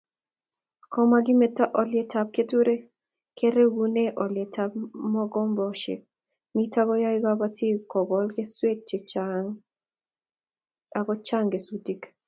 Komokimeto olyetab keturek, kerekune olyetab mogombesiek nito koyoei kobotik kokol keswek chechang akochanga kesutik